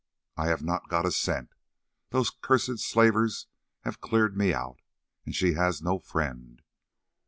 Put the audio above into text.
I have not got a cent; those cursed slavers have cleared me out, and she has no friend.